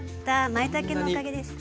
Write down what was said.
まいたけのおかげです。